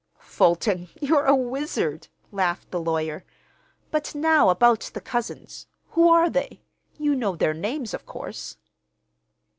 "Fulton, you're a wizard," laughed the lawyer. "But now about the cousins. Who are they? You know their names, of course."